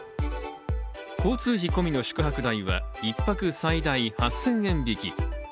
交通費込みの宿泊代は１泊最大８０００円引き。